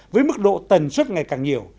với mức độ tần suất ngày càng nhiều